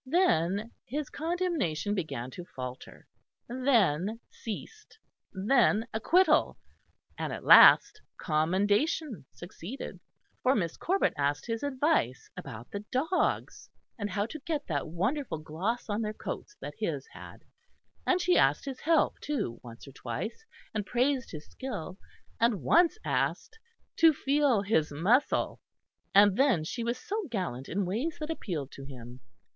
Then his condemnation began to falter, then ceased; then acquittal, and at last commendation succeeded. For Miss Corbet asked his advice about the dogs, and how to get that wonderful gloss on their coats that his had; and she asked his help, too, once or twice and praised his skill, and once asked to feel his muscle. And then she was so gallant in ways that appealed to him.